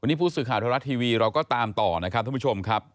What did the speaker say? นี่ผู้สื่อข่าวไทยรัฐทีวีเราก็ตามต่อนะครับท่านผู้ชมครับ